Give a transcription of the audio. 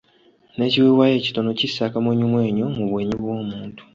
N'ekiweebwayo ekitono kissa akamwenyumwenyu mu bwenyi bw'omuntu.